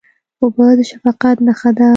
اوبه د شفقت نښه ده.